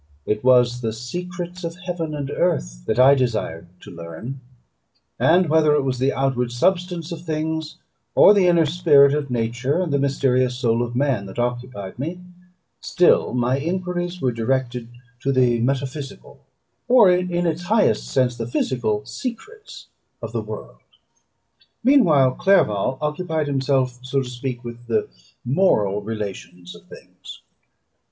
It was the secrets of heaven and earth that I desired to learn; and whether it was the outward substance of things, or the inner spirit of nature and the mysterious soul of man that occupied me, still my enquiries were directed to the metaphysical, or, in its highest sense, the physical secrets of the world. Meanwhile Clerval occupied himself, so to speak, with the moral relations of things.